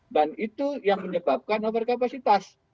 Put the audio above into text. dan itu yang menyebabkan nabar kapasitas